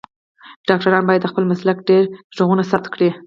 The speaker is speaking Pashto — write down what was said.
ډاکټران باید د خپل مسلک ډیر غږونه ثبت کړی